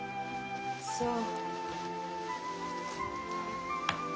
そう。